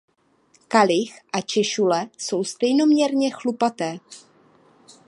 Kalich a češule jsou stejnoměrně chlupaté.